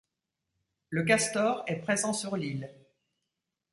Le castor est présent sur l'île.